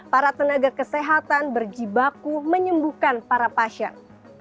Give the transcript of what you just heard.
para tenaga kesehatan berjibaku menyembuhkan para pasien